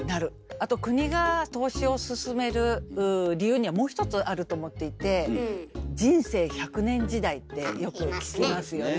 あと国が投資を勧める理由にはもう一つあると思っていて「人生１００年時代」ってよく聞きますよね。